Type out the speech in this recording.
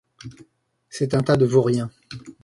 C’est un tas de vauriens.